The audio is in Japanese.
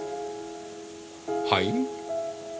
はい？